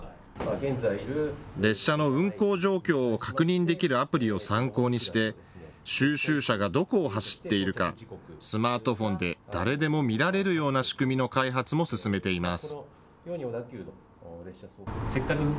列車の運行状況を確認できるアプリを参考にして収集車がどこを走っているかスマートフォンで誰でも見られるような仕組みの開発も進めています。